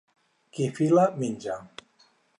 Qui fila menja.